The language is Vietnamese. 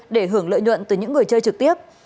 để hưởng lợi nhuận từ những người chơi trực tiếp